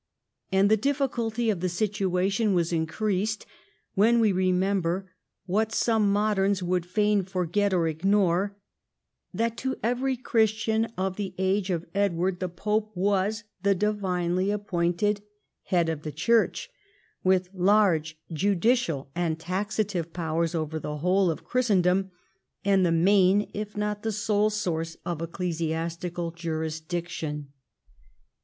And the difficulty of the situation was increased when we remember, what some moderns Avould fain forget or ignore, that to every Christian of the age of Edward the pope was the divinely appointed head of the Church, with large judicial and taxative powers over the whole of Christendom, and the main if not the sole source of ecclesiastical jurisdiction.